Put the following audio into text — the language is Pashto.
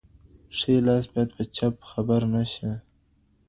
ښی لاس باید په چپ خبر نشي.